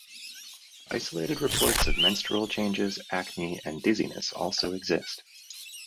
Isolated reports of menstrual changes, acne, and dizziness also exist.